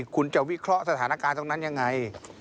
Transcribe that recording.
คุณจะวิเคราะห์สถานการณ์ตรงนั้นยังไง